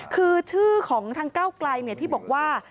คือชื่อของทางก้าวไกลที่บอกว่า